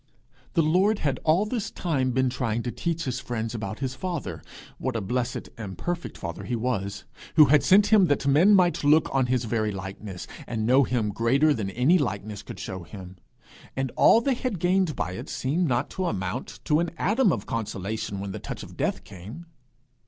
The Lord had all this time been trying to teach his friends about his father what a blessed and perfect father he was, who had sent him that men might look on his very likeness, and know him greater than any likeness could show him; and all they had gained by it seemed not to amount to an atom of consolation when the touch of death came.